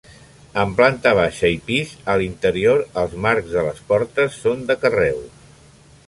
Amb planta baixa i pis, a l'interior els marcs de les portes són de carreus.